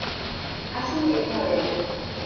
আসুন এ ঘরে।